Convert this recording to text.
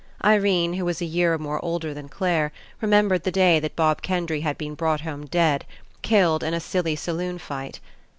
Irene, who was a year or more older than Clare, remembered the day that Bob Ken dry had been brought home dead, killed in a silly saloon fight.